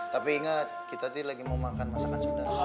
tapi inget kita lagi mau makan masakan sunda